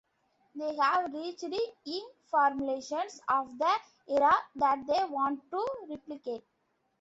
They have researched ink formulations of the era that they want to replicate.